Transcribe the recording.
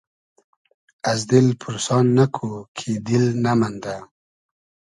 از دیل پورسان نئکو کی دیل نئمئندۂ